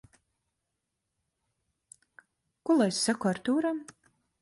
Ko lai saku Artūram?